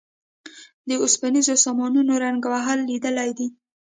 د اوسپنیزو سامانونو زنګ وهل لیدلي دي.